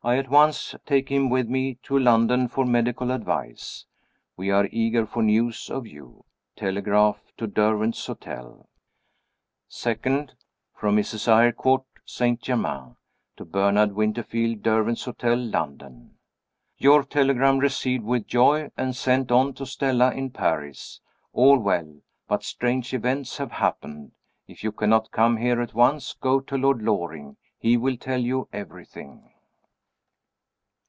I at once take him with me to London for medical advice. We are eager for news of you. Telegraph to Derwent's Hotel." 2. "From Mrs. Eyrecourt, St. Germain. To Bernard Winterfield, Derwent's Hotel, London. Your telegram received with joy, and sent on to Stella in Paris. All well. But strange events have happened. If you cannot come here at once, go to Lord Loring. He will tell you everything."